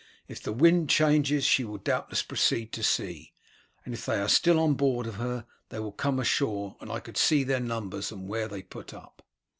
If the wind changes she will doubtless proceed to sea, and if they are still on board of her they will come ashore, and I could see their numbers and where they put up."